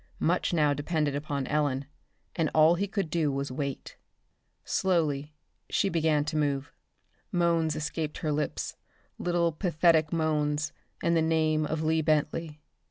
Much now depended upon Ellen, and all he could do was wait. Slowly she began to move. Moans escaped her lips, little pathetic moans, and the name of Lee Bentley.